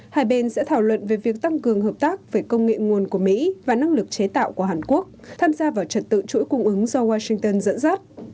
hai bên sẽ thảo luận về việc tăng cường hợp tác về công nghệ nguồn của mỹ và năng lực chế tạo của hàn quốc tham gia vào trật tự chuỗi cung ứng do washington dẫn dắt